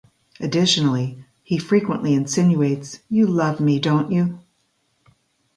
Additionally, he frequently insinuates You love me, don't you?